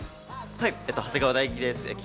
はい、長谷川大喜です。